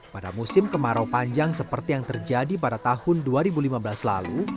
pada musim kemarau panjang seperti yang terjadi pada tahun dua ribu lima belas lalu